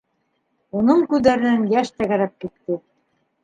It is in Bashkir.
Уның күҙҙәренән йәш тәгәрәп китте.